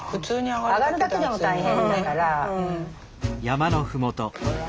上がるだけでも大変だから。